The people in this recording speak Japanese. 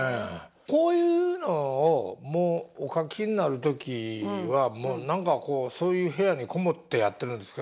こういうのをお描きになる時は何かそういう部屋に籠もってやってるんですか？